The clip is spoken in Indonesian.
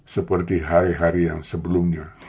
seperti hari hari yang sebelumnya